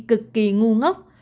cực kỳ ngu ngốc